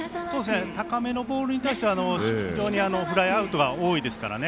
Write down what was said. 高めのボールに対しては非常にフライアウトが多いですからね。